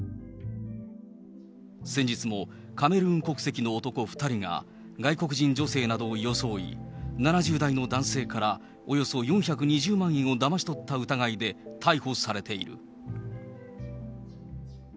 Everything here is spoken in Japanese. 先日も、カメルーン国籍の男２人が外国人女性などを装い、７０代の男性からおよそ４２０万円をだまし取った疑いで逮捕されている。